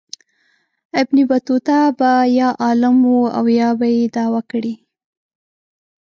ابن بطوطه به یا عالم و او یا به یې دعوه کړې.